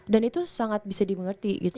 dan itu sangat bisa dimengerti gitu